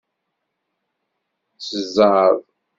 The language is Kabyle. S zzeɛḍ!